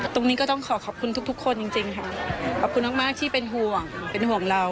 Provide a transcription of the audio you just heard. ตรงนี้ก็ต้องขอขอบคุณทุกคนจริงค่ะขอบคุณมากที่เป็นห่วงเป็นห่วงเรา